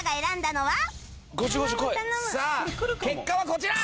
さあ結果はこちら！